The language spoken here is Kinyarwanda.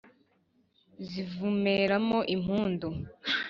zivumera mo impundu